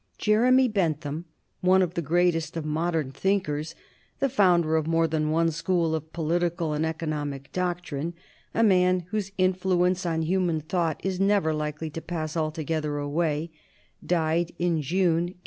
Jeremy Bentham, one of the greatest of modern thinkers, the founder of more than one school of political and economic doctrine, a man whose influence on human thought is never likely to pass altogether away, died in June, 1832.